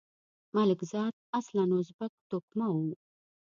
ملکزاد اصلاً ازبک توکمه وو.